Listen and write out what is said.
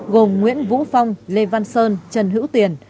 gồm nguyễn vũ phong lê văn sơn trần hữu tiền